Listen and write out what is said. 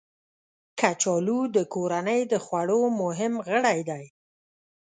کچالو د کورنۍ د خوړو مهم غړی دی